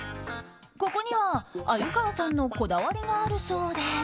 ここには鮎河さんのこだわりがあるそうで。